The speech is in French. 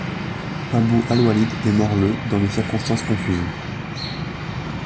Abu Al-Walid est mort le dans des circonstances confuses.